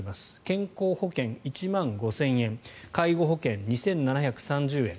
健康保険、１万５０００円介護保険、２７３０円